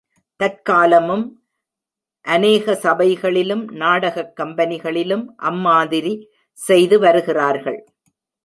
தற்காலமும் அநேக சபைகளிலும், நாடகக் கம்பெனிகளிலும் அம்மாதிரி செய்து வருகிறார்கள்.